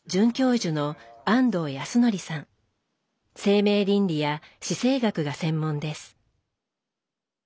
生命倫理や死生学が専門です。